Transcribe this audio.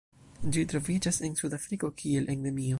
Ĝi troviĝas en Sudafriko kiel endemio.